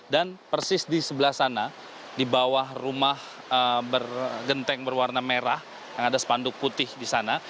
dan persis di sebelah sana di bawah rumah bergenteng berwarna merah yang ada sepanduk putih di sana